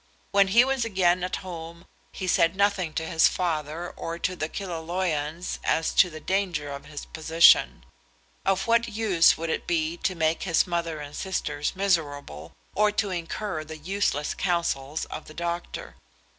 When he was again at home he said nothing to his father or to the Killaloeians as to the danger of his position. Of what use would it be to make his mother and sisters miserable, or to incur the useless counsels of the doctor?